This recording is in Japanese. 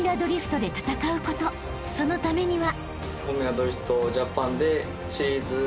［そのためには］